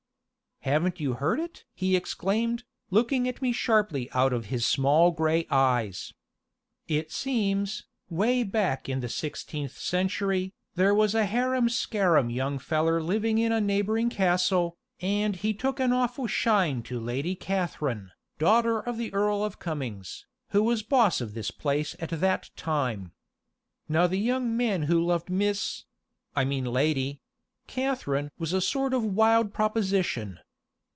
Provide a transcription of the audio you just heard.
"Haven't you heard it?" he exclaimed, looking at me sharply out of his small gray eyes. "It seems, 'way back in the sixteenth century, there was a harum scarum young feller living in a neighboring castle, and he took an awful shine to Lady Katherine, daughter of the Earl of Cummyngs, who was boss of this place at that time. Now the young man who loved Miss I mean Lady Katherine was a sort of wild proposition.